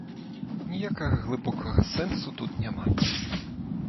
Ніякага глыбокага сэнсу тут няма.